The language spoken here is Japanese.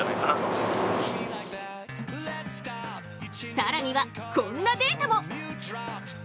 更には、こんなデータも。